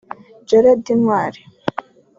Gérard Ntwari